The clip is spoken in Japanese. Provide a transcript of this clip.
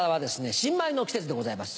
新米の季節でございます。